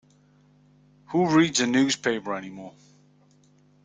Who reads the newspaper anymore?